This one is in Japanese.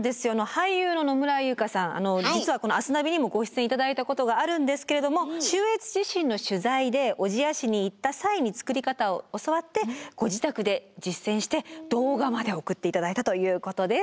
俳優の野村佑香さん実はこの「明日ナビ」にもご出演頂いたことがあるんですけれども中越地震の取材で小千谷市に行った際に作り方を教わってご自宅で実践して動画まで送って頂いたということです。